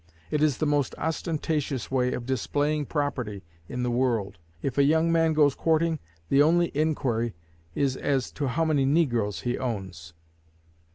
It is the most ostentatious way of displaying property in the world; if a young man goes courting, the only inquiry is as to how many negroes he owns.'